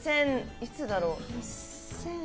いつだろう？